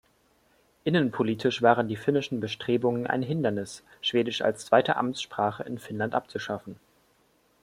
Innenpolitisch waren die finnischen Bestrebungen ein Hindernis, Schwedisch als zweite Amtssprache in Finnland abzuschaffen.